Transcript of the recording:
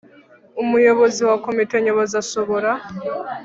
Umuyobozi wa Komite Nyobozi ashobora